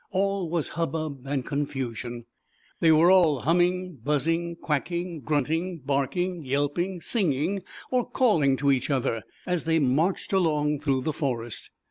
All was hub ub and confusion. They were all humming, buzzing, quacking, grunting, arking, yelping, singing or calling to ach other, as they marched along ^flA^ough the forest.